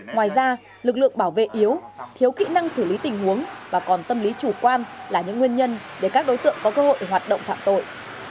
ngoài ra lực lượng bảo vệ yếu thiếu kỹ năng xử lý tình huống và còn tâm lý chủ quan là những nguyên nhân để các đối tượng có cơ hội hoạt động phạm tội